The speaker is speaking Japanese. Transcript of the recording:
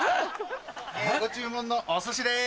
ご注文のお寿司です。